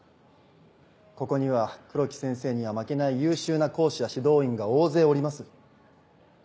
ここには黒木先生には負けない優秀な講師や指導員が大勢おります。